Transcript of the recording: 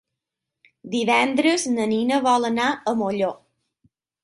Divendres na Nina vol anar a Molló.